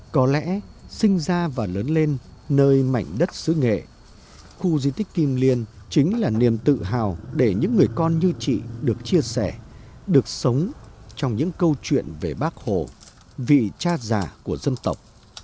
có lẽ sinh ra và lớn lên nơi mảnh đất xứ nghệ khu di tích kim liên chính là niềm tự hào để những người con như chị được chia sẻ được sống trong những câu chuyện về bác hồ vị cha già của dân tộc